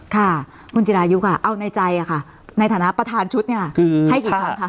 ค่ะคุณจิรายุค่ะเอาในใจค่ะในฐานะประธานชุดเนี่ยคือให้กี่ครั้งคะ